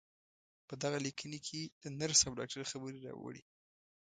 په دغې ليکنې کې د نرس او ډاکټر خبرې راوړې.